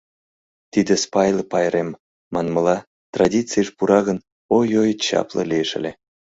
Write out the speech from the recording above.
Тиде спайле пайрем, манмыла, традицийыш пура гын, ой-ой, чапле лиеш ыле.